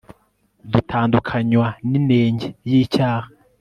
dutandukanywa n'inenge y'icyaha